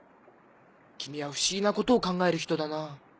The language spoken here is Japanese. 君は不思議なことを考える人だなぁ。